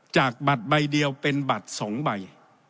จากบัตรใบเดียวเป็นบัตร๒ใบ